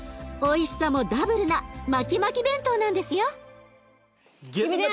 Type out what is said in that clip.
おいしさもダブルなマキマキ弁当なんですよ。